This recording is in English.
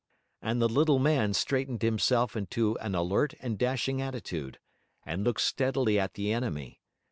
And the little man straightened himself into an alert and dashing attitude, and looked steadily at the enemy.